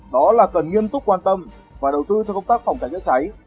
đó là cần nghiêm túc quan tâm và đầu tư theo công tác phòng cháy cháy